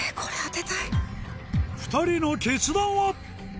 ２人の決断は？